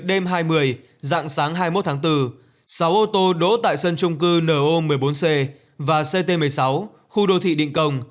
đêm hai mươi dạng sáng hai mươi một tháng bốn sáu ô tô đỗ tại sân trung cư no một mươi bốn c và ct một mươi sáu khu đô thị định công